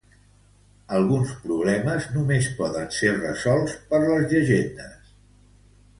Alguns problemes només poden ser resolts per les llegendes.